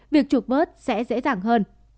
việc trục vớt sẽ dễ dàng hơn